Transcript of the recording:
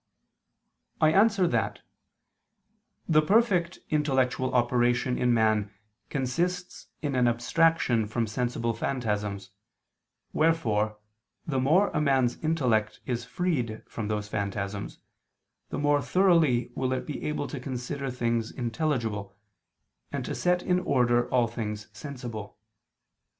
I answer that, The perfect intellectual operation in man consists in an abstraction from sensible phantasms, wherefore the more a man's intellect is freed from those phantasms, the more thoroughly will it be able to consider things intelligible, and to set in order all things sensible.